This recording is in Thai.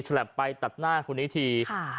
ไปตัดหน้าคนนี้ที